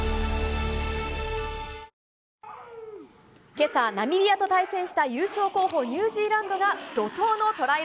今朝、ナミビアと対戦した優勝候補・ニュージーランドが怒涛のトライ